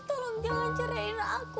tolong jangan ceraiin aku